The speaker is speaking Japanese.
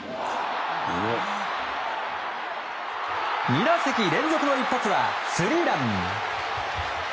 ２打席連続の一発はスリーラン！